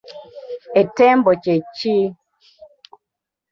Entembo kye kki?